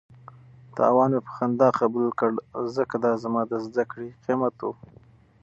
تاوان مې په خندا قبول کړ ځکه دا زما د زده کړې قیمت و.